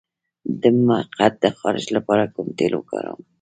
د مقعد د خارش لپاره کوم تېل وکاروم؟